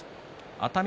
熱海